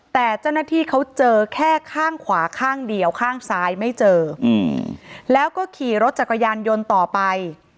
แต่เจ้าหน้าที่เขาเจอแค่ข้างขวาข้างเดียวข้างซ้ายไม่เจอแล้วก็ขี่รถจักรยานยนต์ต่อไป